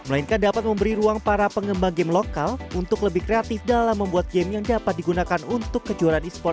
melainkan dapat memberi ruang para pengembang game lokal untuk lebih kreatif dalam membuat game yang dapat digunakan untuk kejuaraan esports